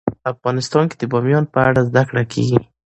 افغانستان کې د بامیان په اړه زده کړه کېږي.